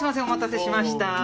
お待たせしました。